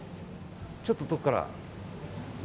ちょっと遠くから。